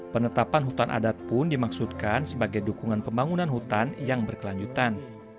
penetapan hutan adat pun dimaksudkan sebagai dukungan pembangunan hutan yang berkelanjutan